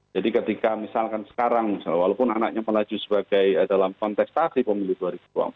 jadi ketika misalkan sekarang misalnya walaupun anaknya melaju sebagai dalam kontestasi pemilu dua ribu dua puluh empat